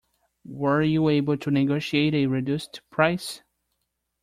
Were you able to negotiate a reduced price?